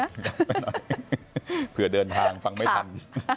กลับไปหน่อยเผื่อเดินทางฟังไม่ทัน